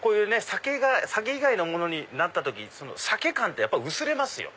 酒が酒以外のものになった時に酒感って薄れますよ。